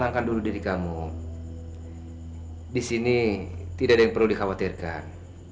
tenangkan dulu diri kamu hai di sini tidak perlu dikhawatirkan